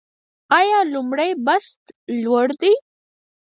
آیا لومړی بست لوړ دی؟